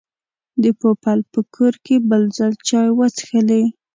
د پوپل په کور کې بل ځل چای وڅښلې.